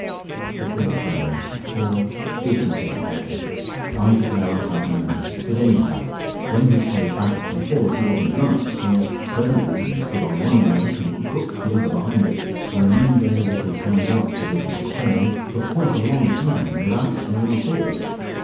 He paused a moment "Or did he take it away? I declare I can't remember. But anyhow when he swayed backwards and forwards, he wasn't drunk, for presently he stood on one leg, and crooked the other behind it, and remained there with his hands up, as if he was praying, for quite a long time without swaying at all.